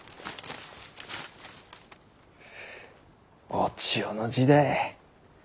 お千代の字だい。